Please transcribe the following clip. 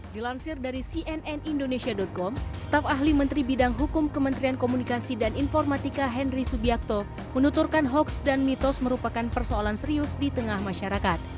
dilansir dari cnn indonesia com staf ahli menteri bidang hukum kementerian komunikasi dan informatika henry subiakto menuturkan hoaks dan mitos merupakan persoalan serius di tengah masyarakat